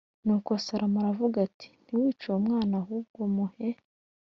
Nuko Salomo aravuga ati ntiwice uwo mwana Ahubwo muhe